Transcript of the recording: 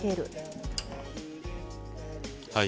はい。